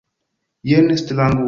Jen strangulo.